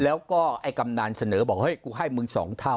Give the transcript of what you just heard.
แล้วก็ไอ้กำนันเสนอบอกเฮ้ยกูให้มึง๒เท่า